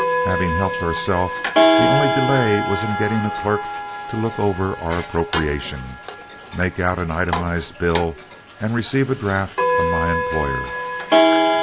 Having helped ourselves, the only delay was in getting a clerk to look over our appropriation, make out an itemized bill, and receive a draft on my employer.